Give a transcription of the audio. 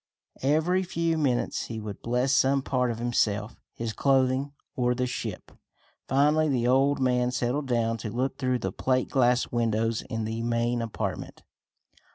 Every few minutes he would bless some part of himself, his clothing, or the ship. Finally the old man settled down to look through the plate glass windows in the main apartment.